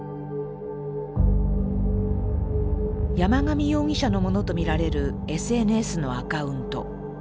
山上容疑者のものと見られるＳＮＳのアカウント。